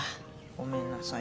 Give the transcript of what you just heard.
ごめんなさい。